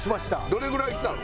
どれぐらいきたの？